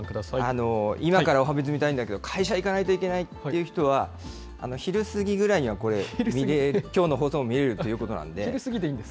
今からおはＢｉｚ、見たいんだけど、会社行かなきゃいけないという人は、昼過ぎぐらいにはこれ、きょうの放送も見れるということなんで。